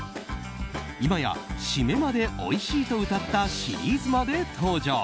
今やシメまでおいしいとうたったシリーズまで登場。